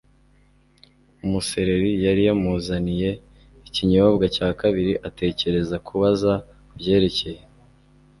umusereri yari yamuzaniye ikinyobwa cya kabiri atekereza kubaza kubyerekeye